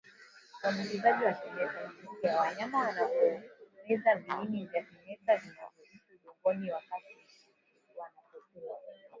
Uambukizaji wa kimeta hutokea wanyama wanapomeza viini vya kimeta vinavyoishi udongoni wakati wanapokuwa